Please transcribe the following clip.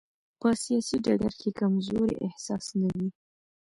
په سیاسي ډګر کې کمزورۍ احساس نه وي.